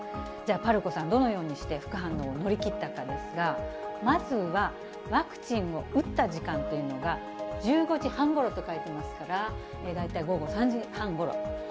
じゃあ、ぱるこさん、どのようにして副反応を乗り切ったかですが、まずはワクチンを打った時間というのが１５時半ごろと書いてますから、大体午後３時半ごろ。